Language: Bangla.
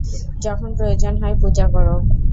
যখন প্রয়োজন হয়, পূজা কর।